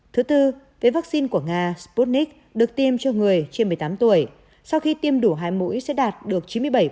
thứ tư với vaccine của nga sputnik được tiêm cho người trên một mươi tám tuổi sau khi tiêm đủ hai mũi sẽ đạt được chín mươi bảy